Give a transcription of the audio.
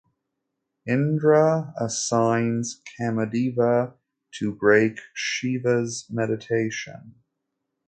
Indra assigns Kamadeva to break Shiva's meditation.